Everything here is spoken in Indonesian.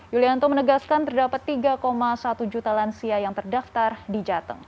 yulianto menegaskan terdapat tiga satu juta lansia yang terdaftar di jateng